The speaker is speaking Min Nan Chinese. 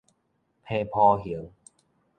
伻鋪還